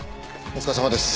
お疲れさまです。